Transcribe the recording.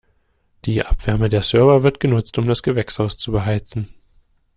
Die Abwärme der Server wird genutzt, um das Gewächshaus zu beheizen.